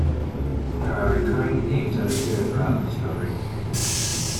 There are recurring themes that appear throughout the story.